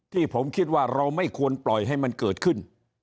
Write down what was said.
ที่ผมคิดว่าเราไม่ควรปล่อยให้มันเกิดขึ้น